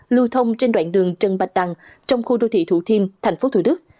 lưu thông trên đoạn đường trần bạch đằng trong khu đô thị thủ thiêm tp thủ đức